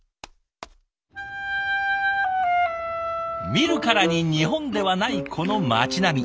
見るからに日本ではないこの街並み。